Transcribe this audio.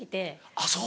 あぁそう。